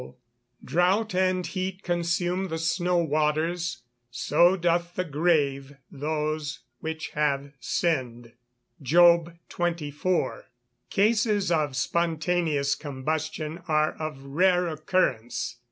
[Verse: "Drought and heat consume the snow waters; so doth the grave those which have sinned." JOB XXIV.] Cases of spontaneous combustion are of rare occurrence.